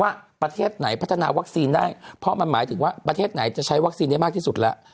ว่าประเทศไหนพัฒนาวัคซีนได้เพราะมันหมายถึงว่าประเทศไหนจะใช้วัคซีนได้มากที่สุดแล้ว